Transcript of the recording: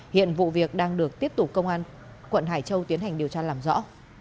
hiện vụ việc đang được tiếp tục công an quận hải châu tiến hành điều tra làm rõ